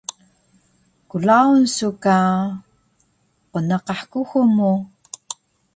klaun su ka qnnaqah kuxul mu